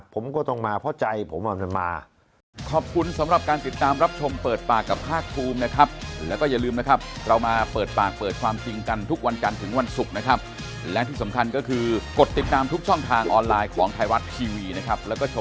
ผมก็ต้องมาเพราะใจผมมันมา